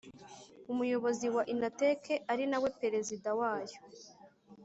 Umuyobozi wa inatek ari nawe perezida wayo